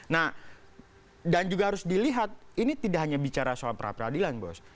nah dan juga harus dilihat ini tidak hanya bicara soal peradilan bos